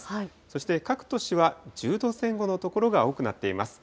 そして各都市は１０度前後の所が多くなっています。